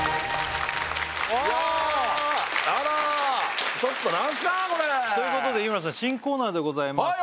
うわあららちょっと何すかこれということで日村さん新コーナーでございます